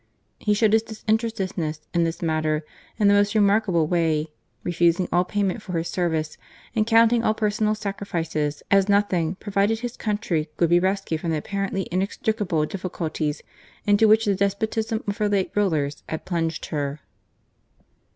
He showed his disinterestedness in this matter in the most remark able way, refusing all payment for his services and counting all personal sacrifices as nothing provided •'£L ZURRIAGOr 25 his country could be rescued from the apparently inextricable difficulties into which the despotism of her late rulers had plunged her.